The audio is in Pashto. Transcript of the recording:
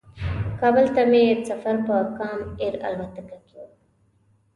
کابل ته مې سفر په کام ایر الوتکه کې و.